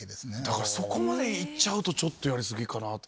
だからそこまで行っちゃうとちょっとやり過ぎかなと。